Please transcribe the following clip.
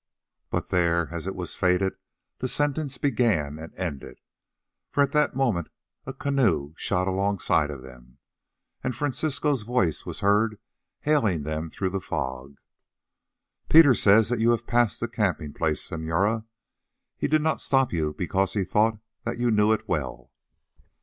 But there, as it was fated, the sentence began and ended, for at that moment a canoe shot alongside of them, and Francisco's voice was heard hailing them through the fog. "Peter says that you have passed the camping place, senora. He did not stop you because he thought that you knew it well."